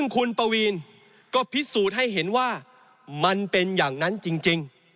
คุณปวีนก็พิสูจน์ให้เห็นว่ามันเป็นอย่างนั้นจริง